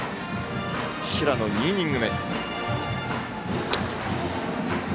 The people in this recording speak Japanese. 平野、２イニング目。